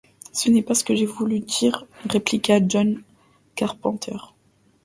Ce n’est pas ce que j’ai voulu dire, répliqua John Carpenter.